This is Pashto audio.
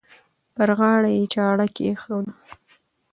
پر غاړه یې چاړه کښېږده.